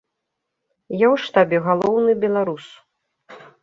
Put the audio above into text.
Я ў штабе галоўны беларус.